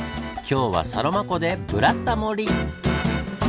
今日はサロマ湖で「ブラタモリ」！